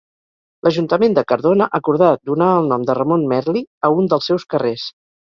L'Ajuntament de Cardona acordà donar el nom de Ramon Merli a un dels seus carrers.